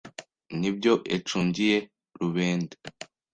n’ibyo ecungiye rubende.